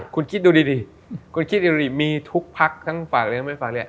คุณคิดดูดีมีทุกพักทั้งฝากเลี้ยงไม่ฝากเลี้ยง